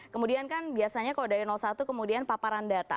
kemudian kan biasanya kalau dari satu kemudian paparan data